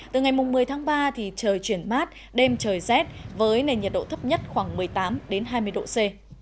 từ ngày một mươi tháng ba thì trời chuyển mát đêm trời rét với nền nhiệt độ thấp nhất khoảng một mươi tám hai mươi độ c